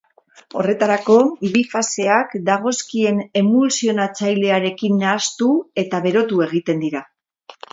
Horretarako, bi faseak dagozkien emultsionatzailearekin nahastu eta berotu egiten dira.